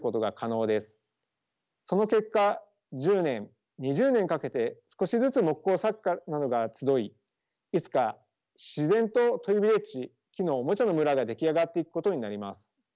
その結果１０年２０年かけて少しずつ木工作家などが集いいつか自然とトイビレッジ木のおもちゃの村が出来上がっていくことになります。